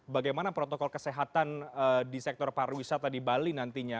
bagaimana protokol kesehatan di sektor pariwisata di bali nantinya